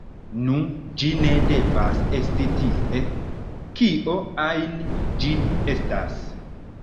“Nu, ĝi ne devas esti tie, kio ajn ĝi estas.